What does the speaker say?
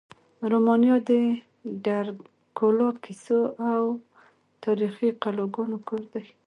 رومانیا د ډرکولا کیسو او تاریخي قلاګانو کور دی.